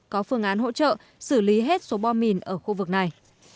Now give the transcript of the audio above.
có phương án hỗ trợ xử lý hết số bom mìn ở khu vực này